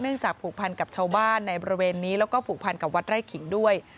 จากผูกพันกับชาวบ้านในบริเวณนี้แล้วก็ผูกพันกับวัดไร่ขิงด้วย